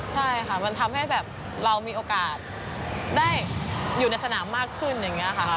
ใช่ค่ะมันทำให้แบบเรามีโอกาสได้อยู่ในสนามมากขึ้นอย่างนี้ค่ะ